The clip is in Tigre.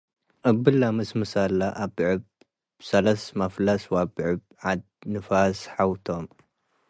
እብለ ምስምሰ እለ አብዕብ ሰለስ መፍለስ ወአብዕብ ዐድ ንፋስ ሐው ቶም ።